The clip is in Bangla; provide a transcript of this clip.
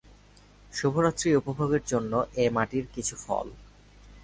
শুভরাত্রি উপভোগের জন্য এ মাটির কিছু ফল।